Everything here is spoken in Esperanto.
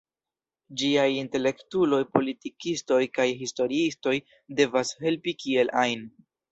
Ĝiaj intelektuloj, politikistoj kaj historiistoj devas helpi kiel ajn.